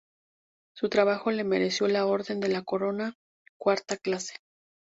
Su trabajo le mereció la Orden de la Corona, cuarta clase.